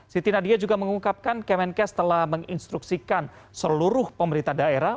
siti nadia juga mengungkapkan kemenkes telah menginstruksikan seluruh pemerintah daerah